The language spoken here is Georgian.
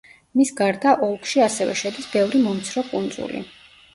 მის გარდა ოლქში ასევე შედის ბევრი მომცრო კუნძული.